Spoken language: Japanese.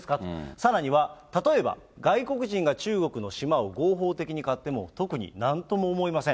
さらには、例えば、外国人が中国の島を合法的に買っても、特になんとも思いません。